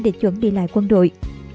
để chuẩn bị lại quân đội